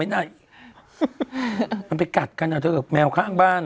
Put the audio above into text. หันไปกัดกันน่ะแมวค่าบ้านอ่ะ